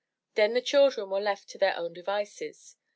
Then the children were left to their own devices.